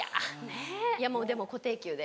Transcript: いやでも固定給で。